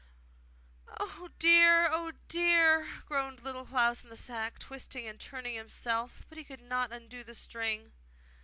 'Oh, dear! oh, dear!' groaned Little Klaus in the sack, twisting and turning himself. But he could not undo the string.